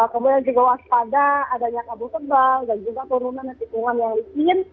kemudian juga waspada adanya kabut tebal dan juga turunan dan kitingan yang dihukum